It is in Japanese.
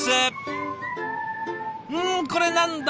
うんこれ何だ？